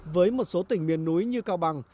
với một số tỉnh miền núi như cao bằng